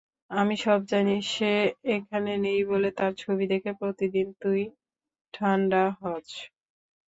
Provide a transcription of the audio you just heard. আমি সব জানি সে এখানে নেই বলে তার ছবি দেখে প্রতিদিন তুই ঠান্ডা হচ।